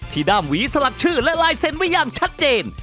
ด้ามหวีสลักชื่อและลายเซ็นต์ไว้อย่างชัดเจน